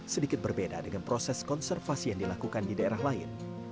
sedikit berbeda dengan proses konservasi yang dilakukan di daerah lain